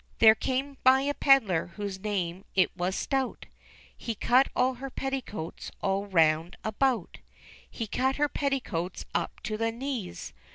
There came by a pedlar, whose name it was Stout, He cut all her petticoats all round about ; He cut her petticoats up to the knees.